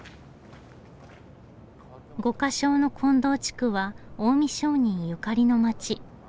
五個荘の金堂地区は近江商人ゆかりの街。